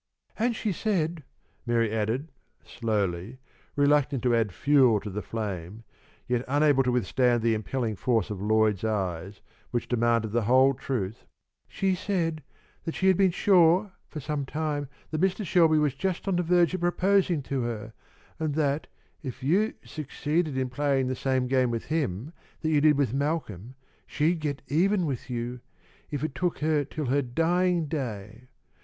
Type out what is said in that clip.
"And she said," Mary added, slowly, reluctant to add fuel to the flame, yet unable to withstand the impelling force of Lloyd's eyes, which demanded the whole truth, "she said that she had been sure for some time that Mr. Shelby was just on the verge of proposing to her, and that, if you succeeded in playing the same game with him that you did with Malcolm, she'd get even with you if it took her till her dying day.